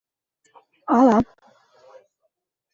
Алам.